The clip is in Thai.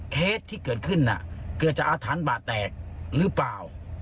เคสที่เกิดขึ้นเกิดจากอาถรรพ์บาดแตกหรือเปล่า